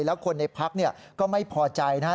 แล้วคนในภักดิ์เนี่ยก็ไม่พอใจนะฮะ